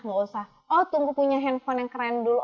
gak usah oh tunggu punya handphone yang keren dulu